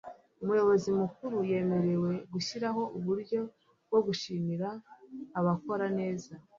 umuyobozi mukuru yemerewe gushyiraho uburyo bwo gushimira abakora neza